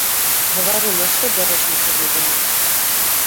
Гавары, нашто бярэш на сябе віну?!